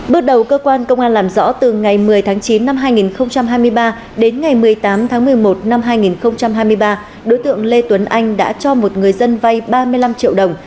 bước đầu cơ quan công an làm rõ từ ngày một mươi tháng chín năm hai nghìn hai mươi ba đến ngày một mươi tám tháng một mươi một năm hai nghìn hai mươi ba đối tượng lê tuấn anh đã cho một người dân vay ba mươi năm triệu đồng